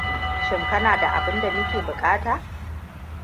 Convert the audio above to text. Shin kana da abun da muke buƙata?